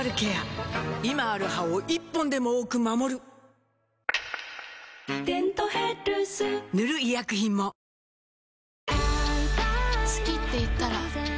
今ある歯を１本でも多く守る「デントヘルス」塗る医薬品もお？